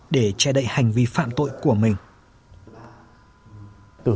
để che đậy hành vi đối tượng có liên quan đến vụ án giết người cướp tài sản và cướp tài sản